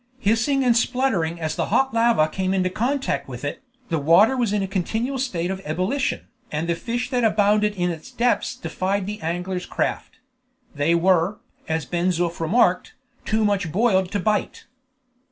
Hissing and spluttering as the hot lava came in contact with it, the water was in a continual state of ebullition, and the fish that abounded in its depths defied the angler's craft; they were, as Ben Zoof remarked, "too much boiled to bite."